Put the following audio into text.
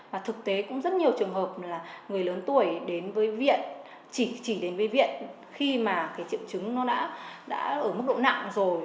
và thực tế cũng rất nhiều trường hợp là người lớn tuổi đến với viện chỉ đến với viện khi mà cái triệu chứng nó đã ở mức độ nặng rồi